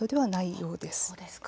そうですか。